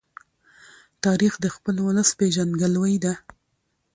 تاریخ د خپل ولس پېژندګلوۍ ده.